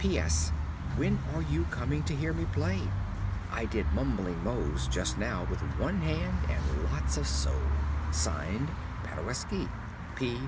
~ P. S. When are you coming to hear me play? I did "Mumbling Mose" just now, with one hand and lots of soul. (Signed) ~Paderewski.